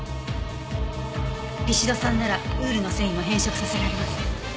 リシド酸ならウールの繊維も変色させられます。